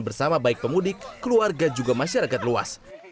bersama baik pemudik keluarga juga masyarakat luas